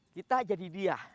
kita jadi dia